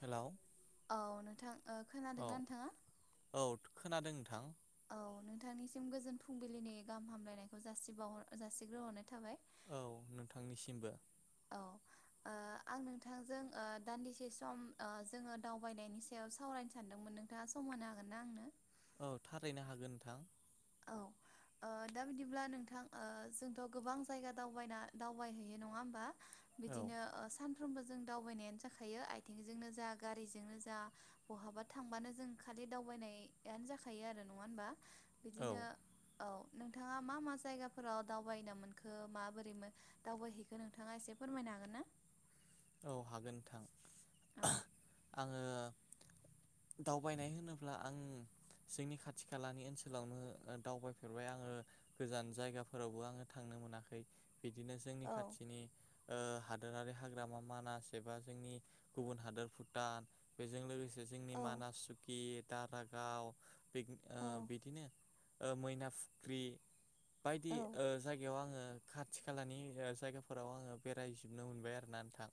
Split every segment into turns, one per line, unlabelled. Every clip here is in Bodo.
हेलौ।
औ नोंथां।
औ
खोनादोंना नोंथाङा।
औ खोनादों नोंथां।
औ नोंथांनिसिम गोजोन फुंबिलिनि गाहाम हामलायनायखौ जासिबाव जासिग्रोहरनाय थाबाय।
औ नोंथांनिसिमबो।
औ अ आं नोंथांजों अ दान्दिसे सम अ जोङो दावबायनायनि सायाव सावरायनो सानदोंमोन नोंथाङा सम होनो हागोन ना आंनो।
औ थारैनो हागोन नोंथां।
औ दा अ बिदिब्ला नोंथां अ जोंथ' गोबां जायगा दावबायना दावबायहैयो नङा होमबा।
औ
बिदिनो अ सान फ्रोमबो जों दावबायनायानो जाखायो आथिंजोंनो जा गारिजोंनो जा बहाबा थांबानो जों खालि दावबायनायानो जाखायो आरो नङा होमबा।
औ
बिदिनो औ नोंथाङा मा मा जायगाफोराव दावबायनो मोनखो माबोरै दावबायहैखो नोंथाङा एसे फोरमायनो हागोन ना।
औ हागोन नोंथां।
औ
आङो दावबायनाय होनोब्ला आं जोंनि खाथि खालानि ओनसोलावनो दावबायफेरबाय आङो गोजान जायगाफोरावबो आङो थांनो मोनाखै। बिदिनो जोंनि
औ
खाथिनि ओ हादोरारि हाग्रामा मानास एबा जोंनि गुबुन हादोर भुटान बेजों लोगोसे जोंनि
औ
मानास सुकित दारागाव पिकनि अ
औ
बिदिनो अ मैना फुख्रि बायदि
औ
अ जायगायाव आङो। आ खाथि खालानि जायगाफोराव आङो बेरायजोबनो मोनबाय आरोना नोंथां।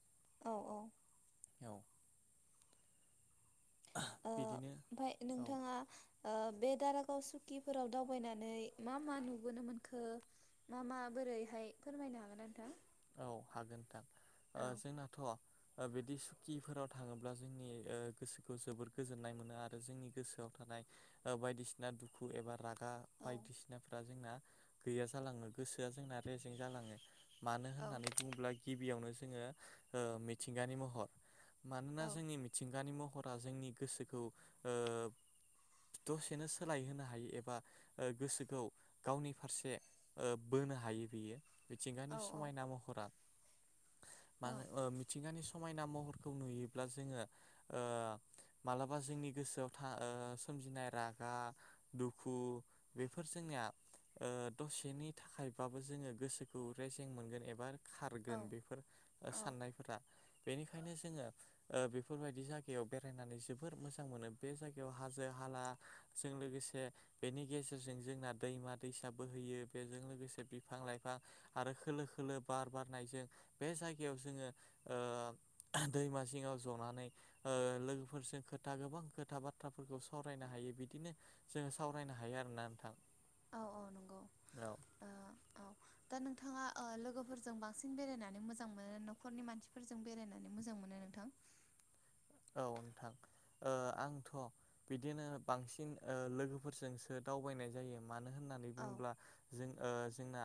औ औ।
औ।
ओ
बिदिनो
ओमफाय
औ
नोंथाङा बे दारागाव सुकिफोराव दावबायनानै मा मा नुबोनो मोनखो मा मा बोरैहाय फोरमायनो हागोनना नोंथां।
औ हागोन नोंथां। अ
औ
जोंनाथ'। बिदि सुकिफोराव थाङोब्ला जोंनि अ गोसोखौ जोबोर गोजोननाय मोनो आरो जोंनि गोसोआव थानाय बायदिसिना अ दुखु एबा राग गा
औ
बायदिसिनाफोरा जोंना। गैया जालाङो गोसोआ जोंना रेजें जालाङो। मानो
औ
होननानै बुङोब्ला गिबियावनो जोङो ओ मिथिंगानि महर
औ
मानोना जोंनि मिथिंगानि मुं नखरा जोंनि गोसोखौ ओ दसेनो सोलायहोनो हायो एबा गोसोखौ गावनि फारसे ओ बोनो हायो बियो।
औ
मिथिंगानि समयना महरा मा ओ मिथिंगानि समायना महरखौ खौ नुयोब्ला जोङो ओ मालाबा जोंनि गोसोआव था ओ सोमजिनाय रागा दुखु बेफोर जोंनिया दसेनि थाखायबाबो जोङो गोसोखौ रे जें मोनगोन एबार
औ
खारगोन बेफोर
औ
साननायफोरा बेनिखायनो जोङो ओ बेफोरबायदि जायगायाव बेरायनानै जोबोर मोजां मोनो बे जायगायाव हाजो हालाजों लोगोसे बेनि गेजेरजों जोंना दैमा दैसा बोहैयो बेजों लोगोसे बिफां लाइफां आरो खोलो खोलो बार बारनायजों बे जायगायाव जोङो ओ दैमा जिङाव जनानै ओ लोगोफोरजों खोथा गोबां खोथा बाथ्राफोरखौ सावरायनो हायो बिदिनो जोङो सावरायनो हायो आरोना नोंथां।
औ औ नंगौ
औ
थाङा लोगोफोरजों बांसिन बेरायनानै मोजां मोनो न'खरनि मानसिफोरजों बेरायनानै मोजां मोनो नोंथां?
औ नोंथां ओ आंथ' बिदिनो बांसिन ओ लोगोफोरजोंसो दावबायनाय जायो आं। मानो होननानै
औ
बुङोब्ला जों ओ जोंना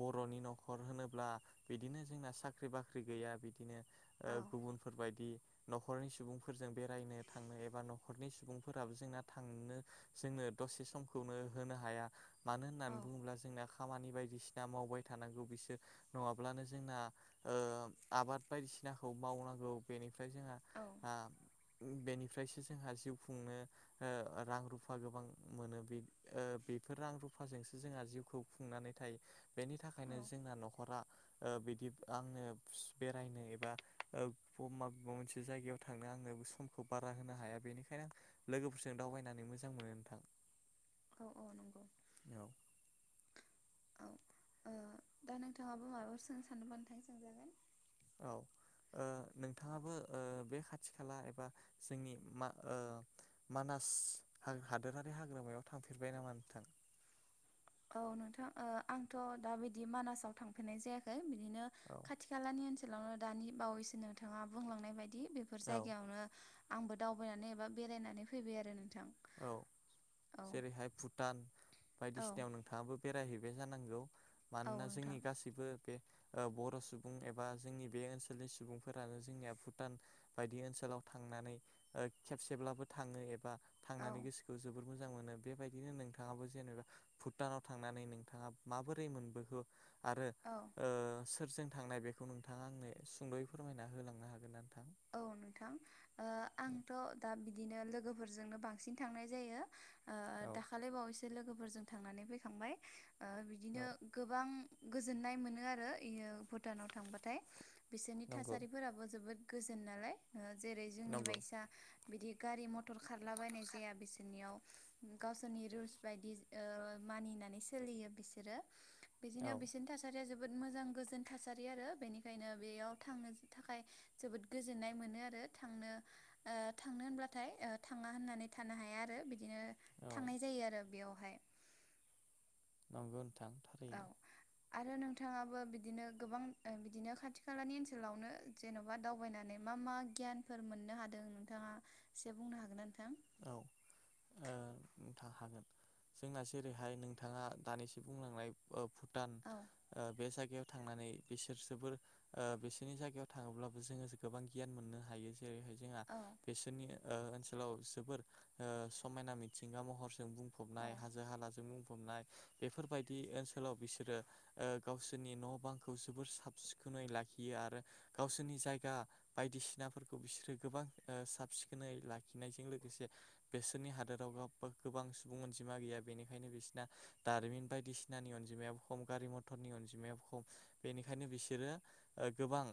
बर'नि न'खर होनोब्ला बिदिनो जोंना साख्रि बाख्रि गैया बिदिनो ओ
औ
गुबुनफोरबायदि न' न'खरनि सुबुंफोरजों बेरायनो थांनो एबा न'खरनि सुबुंफोराबो जोंना थांनो जोंनो दसे समखौनो होनो हाया मानो
औ
होननानै बुङोब्ला जोंना खामानि बायदिसिना मावबाय थानांगौ बिसोर नङाब्लानो जोंना ओ आबाद बायदिसिनाखौ मावनांगौ बेनिफ्राय जों
औ
ओ बेनिफ्रायसो जोंहा जिउ खुंनो ओ रां रुफा गोबां मोनो बे बेफोर रां रुफाजोंसो जोंहा जिउखौ खुंनानै थायो बेनि
औ
थाखायनो जोंना न'खरा ओ बिदि आंनो बेरायनो एबा ओ सम मा मोनसे से जायगायाव थांनो आंनो समखौ बारा होनो हाया बेनिखायनो आं लोगोफोरजों दावबायनानै मोजां मोनो नोंथां।
औ औ नंगौ।
औ
औ दा नोंथाङाबो माबाफोर सों सानोबा नोंथांङा सोंजागोन।
औ ओ नोंथाङाबो ओ बे खाथि खाला एबा जोंनि मानास हादोरारि हाग्रामायाव थांफेरबाय नामा नोंथां?
औ नोंथां ओ आंथ' दा बिदि मानासाव थांफेरनाय जायाखै। बिदिनो
औ
खाथि खालानि ओन सोलावनो दानि बावैसो नोंथाङा बुंलांनाय बायदि बेफोर
औ
जायगायावनो आंबो दावबायनानै एबा बेरायनानै फैबाय आरो नोंथां।
औ
औ
जेरैहाय भुटान
औ
बायदिसिनायाव नोंथाङाबो बेरायहैबाय जानांगौ
औ
मानोना
नोंथां
जोंनि गासैबो बे बर' सुबुं एबा जोंनि बे ओनसोलनि सुबुंफोरानो जोंनिया भुटान बायदि ओनसोलाव थांनानै खेबसेब्लाबो थाङो एबा
औ
थांनानै गोसोखौ जोबोद मोजां मोनो बेबायदिनो नोंथाङाबो जेनेबा भुटानाव थांनानै नोंथाङा माबोरै मोनबोखो आरो
औ
सोरजों थांनाय बेखौ नोंथाङा आंनो सुंदयै फोरमायना होलांनो हागोन ना नोंथां
औ नोंथां आंथ' दा बिदिनो लोगोफोरजोंनो बांसिन थांनाय जायो ओ
औ
दाखालि बावयैसो लोगोफोरजों थांनानै फैखांबाय बिदिनो
औ
गोबां गोजोननाय मोनो आरो इयो भुटानाव थांबाथाय बिसोरनि
नंगौ
थासारिफोराबो जोबोद गोजोन नालाय जेरै जोंनि
नंगौ
बायसा बिदि गारि मथर टर खारलाबायनाय जाया बिसोरनियाव गावसोरनि रुल्स बायदि मानिनानै सोलियो बिसोरो बिदिनो
औ औ
बिसोरनि थासारिया जोब जोबोद मोजां गोजोन थासारि आरो बेनिखायनो बेयाव थांनो थाखाय जोबोद गोजोननाय मोनो आरो थांनो थांनो होनब्लाथाय थाङा होननानै थानो हाया आरो बिदिनो थांनाय जायो आरो बेयाव
थांगोन थां
औ
थारैनो
आरो नोंथाङाबो बिदिनो गोबां बिदिनो खाथि खालानि ओनसोलावनो जेन'बा दावबायनानै मा मा गियानफोर मोननो हादों नोंथाङा एसे बुंनो हागोन नोंथां
औ थां हागोन जोंनासो ओेरैहाय नोंथाङा दानिसो बुंलांनाय भुटान
औ
[unintelligible] बेव थांनानै बिसोर जोबोर बिसोरनि जायगायाव थाङोब्लाबो जोङो गोबां गियान मोननो हायो जेरैहाय जोंहा
औ
बेसोरनि ओनसोलाव जोबोर समायना मिथिंगा महर जों
औ
बुंफबनाय हाजो हालाजों बुं बनाय बेफोरबायदि ओनसोलाव बिसोरो गावसोरनि ओ न' बांखौ जोबोर साब सिखोनै लाखियो आरो गावसोरनि जायगा बायदिसिनाफोरखौ बिसोरो गोबां साब सिखोनै लाखिनायजों लोगोसे बेसोरनि हादोराव गोबां सुबुं अनजिमा गैया बेनिखायनो बिसोरना दारिमिन बायदिसिनानि अनजिमायाबो खम गारि मथरनि अनजिमायाबो खम बेनिखायनो बिसोरो ओ गोबां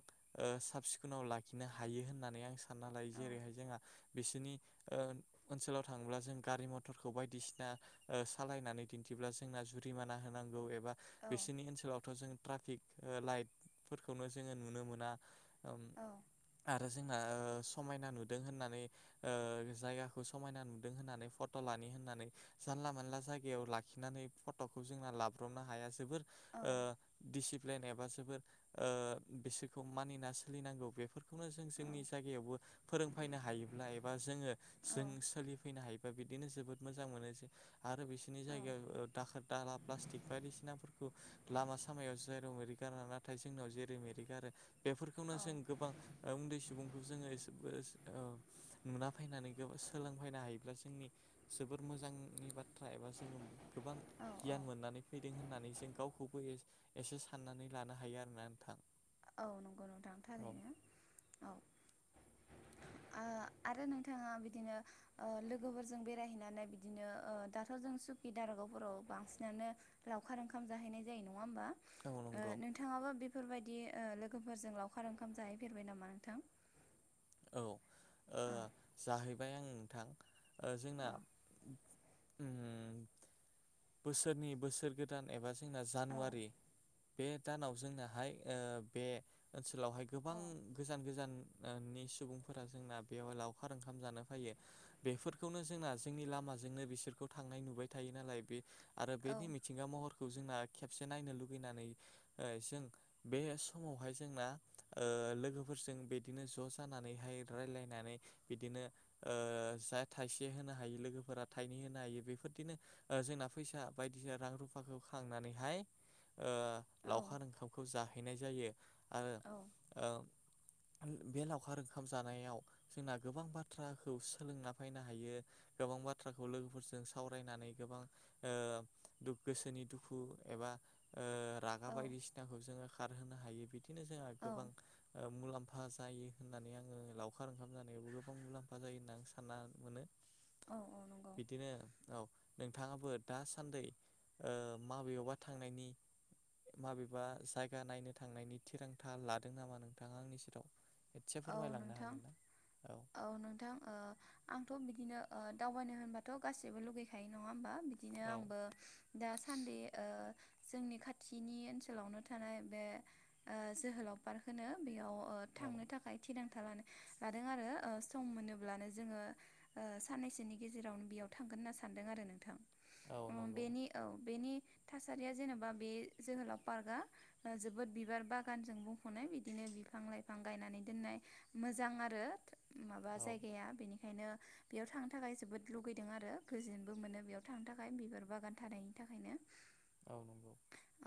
ओ साब सिखोनाव लाखिनो हायो होननानै आं सानना लायो
औ
जेरैहाय जोंहा बिसोरनि [unintelligible] ओनसोलाव थाङोब्ला जों गारि मथरखौ बायदिसिना ओ सालायनानै दिन्थिब्ला जोंना जुरिमाना होनांगौ ए एबा
औ
बिसोरनि ओनसोलावथ' जों ट्राफिक ओ लाइट फोरफोरखौनो जोङो नुनो मोना।
औ
आरो। जोंहा समायना नुदों होननानै ओ जायगाखौ समायना नुदों होननानै फट' लानि होननानै जानला मोनला जायगायाव लाखिनानै फट'खौ जोंना लाब्रबनो हाया जोबोर
औ
दिडसिप्लिन एबा जोबोर ओ बिसोरखौ मानिना सोलिनांगौ बेफोरखौनो जों जोंनि जायगायावबो फोरोंफैनो हायोब्ला एबा जोङो जों सोलिफैनो हायो। बिदिनो जोबोद मोजां मोनो जे आरो बिसोरनि जायगायाव दाखोर दाला प्लास्टिक बायदिसिनाफोरखौ लामा सामायाव जायेराव मेरि गारा नाथाय जोंनियाव जेरै मेरि गारो बेफोरखौनो जों गोबां उन्दै सुबुंखौ जोङो [unintelligible] फैनानै गोब सोलोंफैनो हायोब्ला जोंनि जोबोर मोजांनि बाथ्रा एबा जोङो गोबां
औ औ
गियान मोननानै फैदों होननानै जों गावखौबो एसे साननानै लानो हायो आरोना नोंथां।
औ नंगौ नोंथां
औ
थारैनो औ। आ आरो नोंथाङा बिदिनो ओ लोगोफोरजों बेरायहैनानै बिदिनो ओ दाथ' जों सुकि दारागावफोराव बांसिनानो लावखार ओंखाम जाहैनाय जायो नङा होमबा।
औ
ओ
नंगौ
नोंथाङाबो बे फोरबायदि ओ लोगोफोरजों लावखार ओंखाम जाहैफेरबाय नामा नोंथां।
औ। ओ
औ
जाहिब ओमफ्राय आं नोंथां ओ जोंना
औ
उम। बोसोरनि बोसोर गोदान एबा जोंना
औ
जानुवारि बे दानाव जोंनाहाय ओ बे ओन सोलावहाय गोबां
औ
गोजान गोजान ओ नि सुबुंफोरा जोंना बेवहाय लावखार ओंखाम जानो फैयो बेफोरखौनो जोंना जोंनि लामाजोंनो बिसोरखौ थांनाय नुबाय थायो नालाय बे आरो
औ
बेनि मिथिंगा महर खौ जोंना खेबसे नायनो लुुबैनानै जों बे समावहाय जोंना ओ लोगोफोरजों बिदिनो ज' जानानैहाय रायलायनानै बिदिनो ओ जा थाइसे होनो हायो लोगोफोरा थाइनै होनो हायो बेफोरदिनो ओ जोंना फैसा बायदिसिना रां रुफाखौ खांनानैहाय ओ
औ
लावखार ओंखामखौ जाहो हैनाय जायो। आरो औ। बे लावखार ओंखाम जानायाव जोंना गोबां बाथ्राखौ सोलोंना फैनो हायो गोबां बाथ्राखौ लोगोफोरजों सावरायनानै गोबां ओ दु गोसोनि दुखु एबा ओ रागा बायदिसिनाखौ जोङो खारहोनो हायो बि दिनो जोंहा
औ
गोबां ओ मुलाम्फा जायो होननानै आङो लावखार ओंखाम जानायावबो गोबां मुलाम्फा जायो होनना आं सानना मोनो।
औ औ नंगौ
बिदिनो औ। नोंथाङाबो दासान्दि माबेबा थांनायनि माबेबा जायगा नायनो थांनायनि थिरांथा लादों नामा नोंथाङा आंनि सेराव एसे
औ
फोरमायलांनो
नोंथां
हागोन ना?
औ नोंथां आंथ' बिदिनो ओ दावबायनो होनबाथ' गाैबो लुगैखायो नङा होमबा बिदिनो
औ
आंबो दा सान्दे जोंनि खाथिनि ओनसोलावनो थानाय बे जोहोलाव पार्क होनो बेयाव ओ
औ
थांनो थाखाय थिरांथा लानो लादों आरो सम मोनोब्लानो जोङो साननैसोनि गेजेरावनो बेयाव थांगोन होनना सानदों आरो नोंथां
औ
ओ
नंगौ
बेनि औ बेनि थासारिया जेनेबा बे जोहोलाव पार्कआ जोबोद बिबार बागानजों बुंफ'नाय बिदिनो बिफां लाइफां गायनानै दोननाय मोजां आरो माबा
औ
जायगाया बेनिखायनो बेयाव थांनो थाखाय जोबोद लुगैदों आरो गोजोनबो मोनो बेयाव थांनो थाखाय बिबार बागान थानायनि थाखायनो
औ नंगौ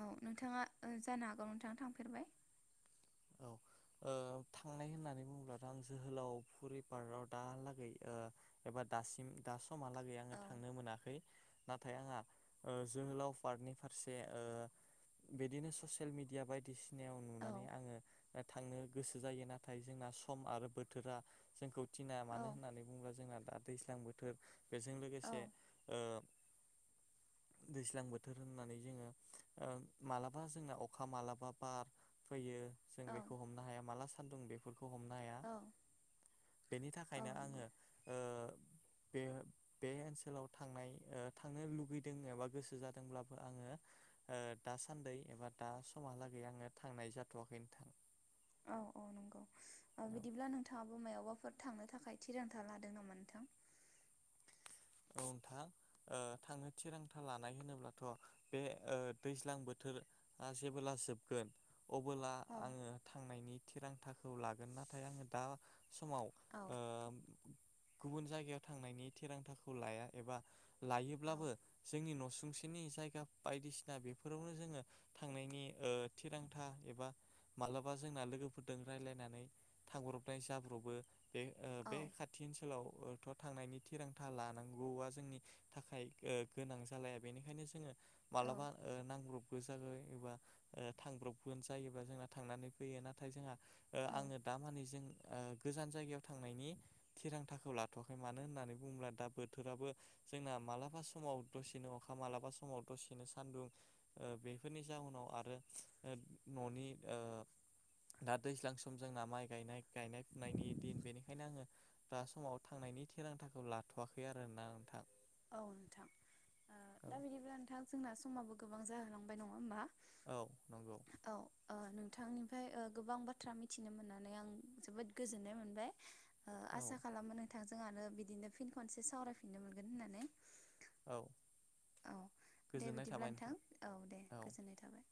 औ नोंथाङा जानो हागौ नोंथांङा थांफेरबाय
औ ओ थांनाय होननानै बुङोब्लाथ' आं जोहोलाव फुरि पार्काव दालागै ओ एबा दासिम गासै समहालागै आङो
औ
थांनो मोनाखै नाथाय आंहा जोहोलाव पार्कनि फारसे बिदिनो ससियेल मिेडिया बायदिसिनायाव
औ
नुनानै आङो थांनो गोसो जायो नाथाय जोंना सम आरो बोथोरा जोंखौ थिना
औ
मानो होननानैुङोब्ला जोंङा दा दैज्लां बोथोर बेजों
औ
लोगोसे ओ दैज्लां बोथोर होननानै जोङो ओ मालाबा जोंना अखा मालाबा बार फैयो जों
औ
बेखौ हमनो हाया माला सानदुं बेखौ हमनो हाया
औ
बेनि
औ
थाखायनो
नंगौ
आङो ओ बे बे ओनसोलाव थांनाय थांनो लुगैदों एबा गोसो जादोंब्लाबो आङो दासान्दै एबा दा समहालागै आङो थांनाय जाथ'वाखैमोन
औ औ नंगौ
औ
बिदिब्ला नोंथाङाबो मायावबाफोर थांनो थाखाय थिरांथा लादों नामा नोंथां
औ नोंथां थांनो थिरांथा लानाय होनोब्लाथ' बे दैज्लां बोथोरआ जेबोला जोबगोन अबोला
औ
आङो थांनायनि थिरांथाखौ लागोन नाथाय आङो दा समाव
औ
ओ गुबुन जायगायाव थांनायनि थिरांथाखौ खौ लाया एबा
औ
लायोब्लाबो जोंनि न'सुंसेनि जायगा बायदिसिना बेफोरावनो जोङो थांनायनि ओ थिरांथा एबा मालाबा जोंना लोगोफोरदों रायलायनानै थांब्रबनाय जाब्र'बो बे
औ
बे खाथि ओनसोलावथ' थांनायनि थिरांथा लाद थानांगौआ जोंनि थाखाय ओ गोनां जालाया बेनिखायनो जोङो माबलाबा
औ
ओ नांब्रबखो यो एबा थांब्रबगोन जायोबा जोंना थांनानै फैयो नाथाय जोंहा
औ
आङो दामाने जों ओ गोजान जायगायाव थांनायनि थिरांथाखौ लाथ'वाखै मानो होननानै बुङोब्ला दा बो। बोथोराबो जोंना मालाबा समाव दसेनो अखा मालाबा समाव दसेनो सान्दुं ओ बेफोरनि जाउनाव आरो ओ न'नि ओ दा दैज्लां सम जोंना माइ गायनाय गायनाय फुनायनि दिन बेनिखायनो आङो दा समाव थांनायनि थिरांथाखौ लाथ'वा खै आरोना नोंथां।
औ नोंथां ओ दा बिदिब्ला नोंथां जोंना समाबो गोबां जाहोलांबाय नङा होमबा
औ नंगौ।
थांनिफ्राय ओ गोबां बाथ्रा मिथिनो मोननानै आं जोबोद गोजोननाय मोनबाय। ओ
औ
आसा खालामो नोंथां नोंहानो बिदिनो फिन खनसे सावरायफिननो मोनगोन होननानै नै
औ।
औ दे
गोजोननाय
बिदिब्ला
थाबाय
नोंथां औ दे गोजोननाय थाबाय।